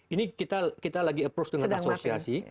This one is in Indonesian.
ini kita lagi approach dengan asosiasi